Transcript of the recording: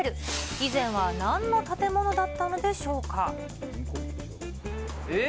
以前はなんの建物だったのでしょうか。えっ？